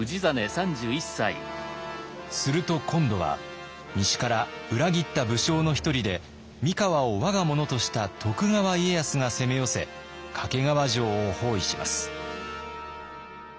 すると今度は西から裏切った武将の一人で三河を我が物とした徳川家康が攻め寄せ懸川城を包囲します。